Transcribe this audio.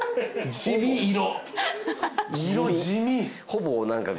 ほぼ何か。